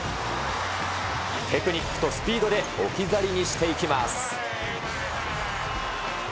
テクニックとスピードで置き去りにしていきます。